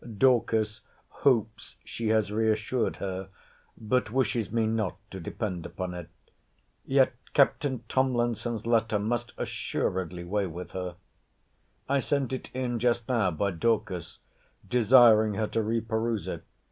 Dorcas hopes she has re assured her: but wishes me not to depend upon it. Yet Captain Tomlinson's letter must assuredly weigh with her. I sent it in just now by Dorcas, desiring her to re peruse it.